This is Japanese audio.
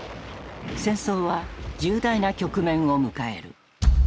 戦争は重大な局面を迎える。